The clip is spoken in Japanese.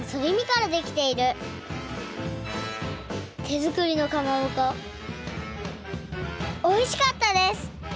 てづくりのかまぼこおいしかったです！